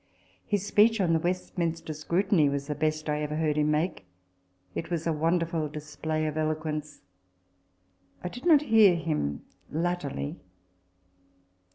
His speech on the Westminster Scrutiny f was the best I ever heard him make. It was a wonderful display of eloquence. I did not hear him latterly.